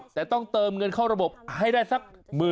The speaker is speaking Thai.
แต่ต้องเติมเงินเข้าระบบให้ได้สัก